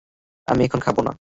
আমি এখন খাব না!